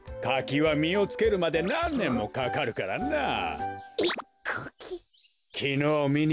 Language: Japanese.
かきはみをつけるまでなんねんもかかるからな。